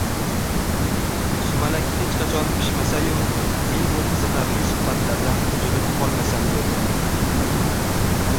Sumalak hechqachon pishmasa-yu, men bu qiziqarli suhbatlardan uzilib qolmasam derdim...